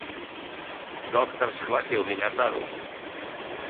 — Доктор схватил меня за руку.